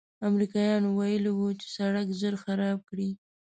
امریکایانو ویلي و چې سړک ژر خراب کړي.